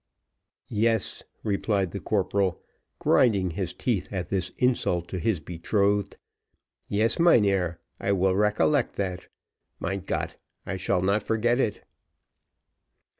"Yes," replied the corporal, grinding his teeth at this insult to his betrothed, "yes, mynheer, I will recollect that. Mein Gott! I shall not forget it."